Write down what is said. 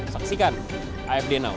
saksikan afd now